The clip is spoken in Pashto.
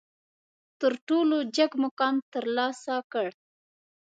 تر ټولو جګ مقام ترلاسه کړ.